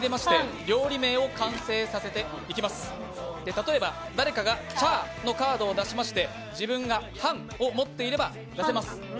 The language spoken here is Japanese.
例えば誰かが「チャー」のカードを出しまして、自分が「ハン」を持っていれば出せます。